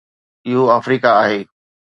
اهو آفريڪا آهي